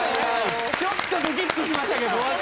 ちょっとドキッとしました。